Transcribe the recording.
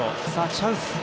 チャンス。